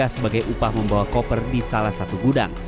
sebagai upah membawa koper di salah satu gudang